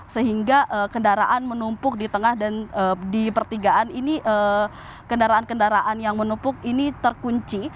sehingga kendaraan menumpuk di tengah dan di pertigaan ini kendaraan kendaraan yang menumpuk ini terkunci